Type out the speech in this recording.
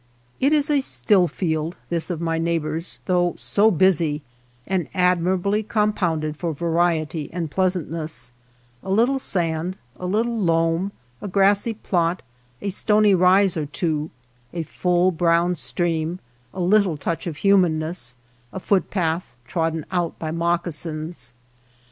It is a still field, this of my neighbor's, though so busy, and admirably com pounded for variety and pleasantness, — a little sand, a little loam, a grassy plot, a stony rise or two, a full brown stream, a little touch of humanness, a footpath trod den out by moccasins.